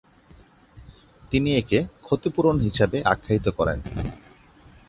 তিনি একে "ক্ষতিপূরণ" হিসেবে আখ্যায়িত করেন।